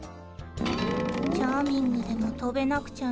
チャーミングでもとべなくちゃね。